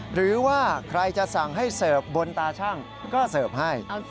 หรือว่าใครจะสั่งให้เสิร์ฟบนตาชั่งก็เสิร์ฟให้